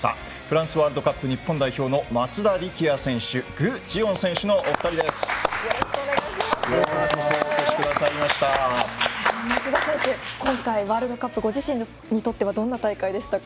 フランスワールドカップ日本代表の松田力也選手松田選手、今回ワールドカップご自身にとってどんな大会でしたか？